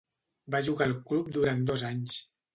Va jugar al club durant dos anys.